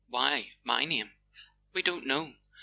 Why my name?" "We don't know.